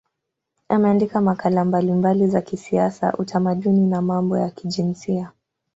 Ameandika makala mbalimbali za kisiasa, utamaduni na mambo ya kijinsia.